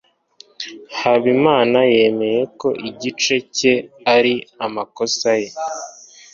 habimana yemeye ko igice cye ari amakosa ye